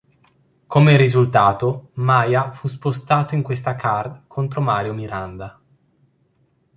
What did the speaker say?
Come risultato, Maia fu spostato in questa card contro Mario Miranda.